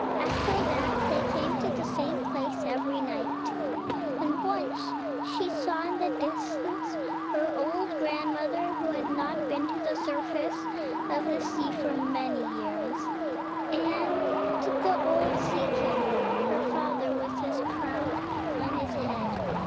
After that, they came to the same place every night; and once she saw in the distance her old grandmother, who had not been to the surface of the sea for many years, and the old Sea King, her father, with his crown on his head.